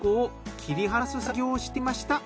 切り離す作業をしていました。